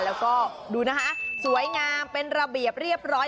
แล้วก็ดูนะคะสวยงามเป็นระเบียบเรียบร้อย